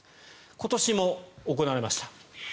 今年も行われました。